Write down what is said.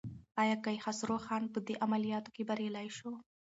ایا کیخسرو خان په دې عملیاتو کې بریالی شو؟